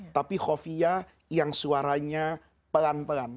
tapi hovia yang suaranya pelan pelan